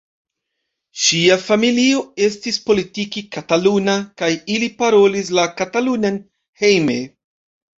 Ŝia familio estis politike kataluna kaj ili parolis la katalunan hejme.